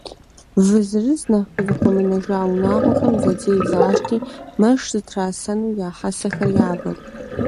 Вы зырыз нэхъ къызыхуэмынэжа унагъуэхэм зэдзей защӏти, мэш зытрасэну я хьэсэхэр явэт.